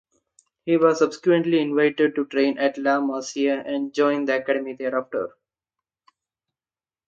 He was subsequently invited to train at La Masia and joined the academy thereafter.